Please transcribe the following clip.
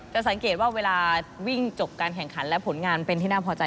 จะสังเกตว่าเวลาวิ่งจบการแข่งขันและผลงานเป็นที่น่าพอใจ